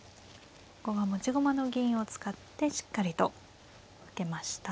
ここは持ち駒の銀を使ってしっかりと受けました。